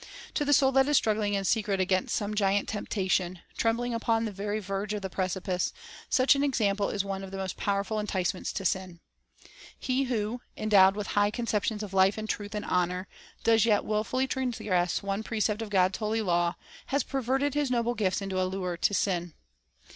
To the soul that is strug gling in secret against some giant temptation, trembling upon the very verge of the precipice, such an example is one of the most powerful enticements to sin. He who, endowed with high conceptions of life and truth and honor, does yet wilfully transgress one precept of God's holy law, has perverted his noble gifts into a lure to sin.